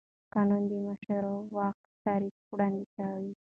قانون د مشروع واک تعریف وړاندې کوي.